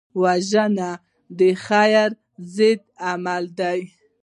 وژنه د خیر ضد عمل دی